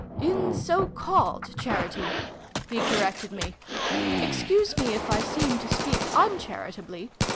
"In so called 'charity,'" he corrected me. " Excuse me if I seem to speak uncharitably.